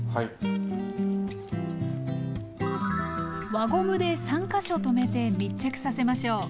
輪ゴムで３か所とめて密着させましょう。